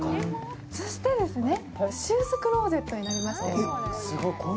そしてシューズクローゼットになります。